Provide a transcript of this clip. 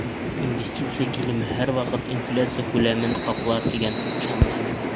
Инвестиция килеме һәр ваҡыт инфляция күләмен ҡаплар тигән ышаныс юҡ.